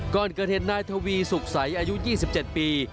ก่อนเกิดเหตุนายทวีสุขใสอายุ๒๗ปี